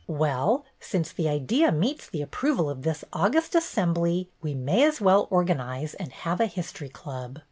"Well, since the idea meets the approval of this august assembly, we may as well organize and have a History Club.